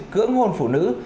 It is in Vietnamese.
cưỡng hôn phụ nữ